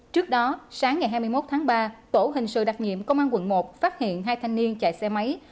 trước đó sáng ngày hai mươi một tháng ba tổ hình sự đặc nhiệm công an quận một phát hiện hai thanh niên chạy xe máy